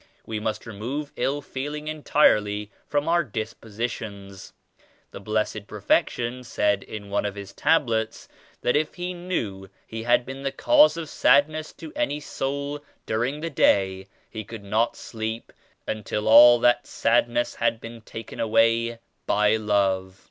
We must remove ill feeling entirely from our dispositions. The Blessed Perfection said in one of His Tablets that if He knew He had been the cause of sad ness to any soul during the day, He could not sleep until all that sadness had been taken away by Love.